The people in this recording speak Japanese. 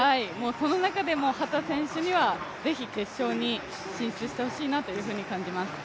その中でも秦選手にはぜひ決勝に進出してほしいなというふうに感じます。